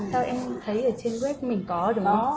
tao em thấy ở trên web mình có đúng không